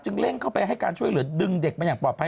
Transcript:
เร่งเข้าไปให้การช่วยเหลือดึงเด็กมาอย่างปลอดภัย